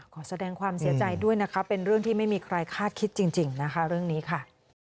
ขอแสดงความเสียใจด้วยนะคะเป็นเรื่องที่ไม่มีใครคาดคิดจริงนะคะเรื่องนี้ค่ะ